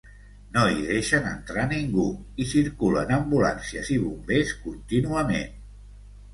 No hi deixen entrar ningú i circulen ambulàncies i bombers contínuament.